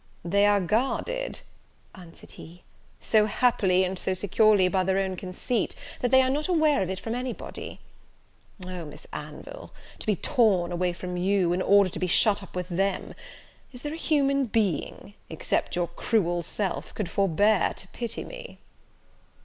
"They are guarded," answered he, "so happily and so securely by their own conceit, that they are not aware of it from any body. Oh, Miss Anville, to be torn away from you, in order to be shut up with them, is there a human being, except your cruel self, could forbear to pity me?"